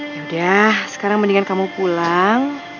yaudah sekarang mendingan kamu pulang